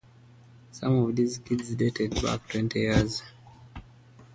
Some of these kits dated back twenty years.